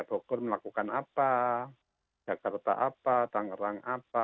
bogor melakukan apa jakarta apa tangerang apa